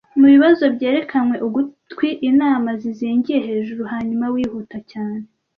mubibazo, byerekanwe ugutwi-inama zizingiye hejuru. Hanyuma wihuta cyane